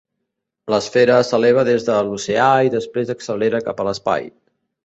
L'esfera s'eleva des de l'oceà i després accelera cap a l'espai.